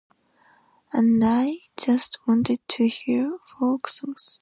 And I just wanted to hear folk songs.